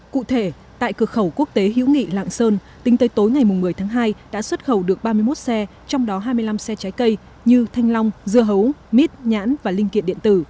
cụ thể tại cửa khẩu quốc tế hữu nghị lạng sơn tính tới tối ngày một mươi tháng hai đã xuất khẩu được ba mươi một xe trong đó hai mươi năm xe trái cây như thanh long dưa hấu mít nhãn và linh kiện điện tử